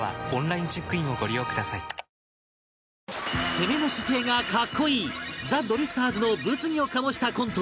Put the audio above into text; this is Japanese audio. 攻めの姿勢が格好いいザ・ドリフターズの物議を醸したコント